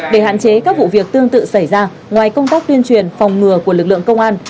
để hạn chế các vụ việc tương tự xảy ra ngoài công tác tuyên truyền phòng ngừa của lực lượng công an